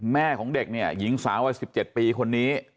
แม่ของเด็กเนี่ยหญิงสาววัย๑๗ปีคนนี้